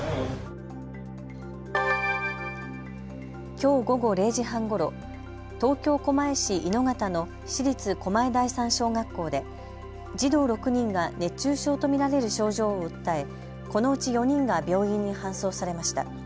きょう午後０時半ごろ東京狛江市猪方の市立狛江第三小学校で児童６人が熱中症と見られる症状を訴え、このうち４人が病院に搬送されました。